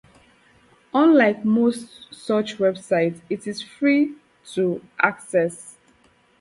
Unlike most such websites, it is free to access.